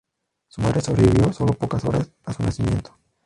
Su madre sobrevivió solo pocas horas a su nacimiento.